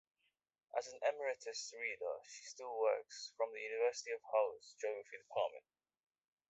As an Emeritus Reader she still works from the University of Hull's Geography Department.